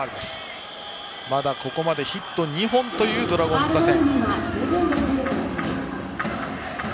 まだここまでヒット２本のドラゴンズ打線。